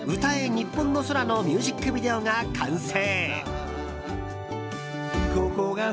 ニッポンの空」のミュージックビデオが完成。